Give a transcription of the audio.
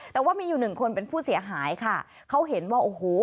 แต่ว่ามีอยู่หนึ่งคนเป็นผู้เสียหายค่ะเขาเห็นว่าโอ้โห